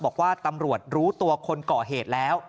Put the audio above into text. บอกว่าตำรวจรู้ตัวคนก่อเหตุแล้ว